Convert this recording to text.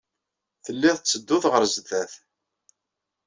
Telliḍ tettedduḍ ɣer sdat.